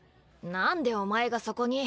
なんでお前がそこに？